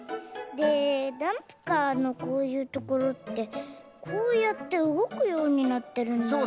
でダンプカーのこういうところってこうやってうごくようになってるんだよね。